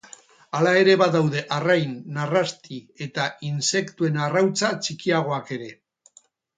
Hala ere, badaude arrain, narrasti eta intsektuen arrautza txikiagoak ere.